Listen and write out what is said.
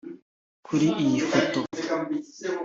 Kuri iyi foto